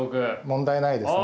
問題ないですね。